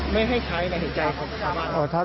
ไม่ให้ใช้ในหัวใจของเขา